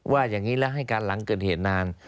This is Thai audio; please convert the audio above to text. ว่าอย่างนี้และให้การหลังเกิดเหตุนาน